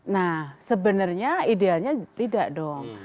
nah sebenarnya idealnya tidak dong